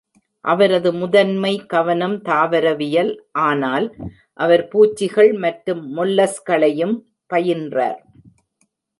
அவரது முதன்மை கவனம் தாவரவியல், ஆனால் அவர் பூச்சிகள் மற்றும் மொல்லஸ்களையும் பயின்றார்.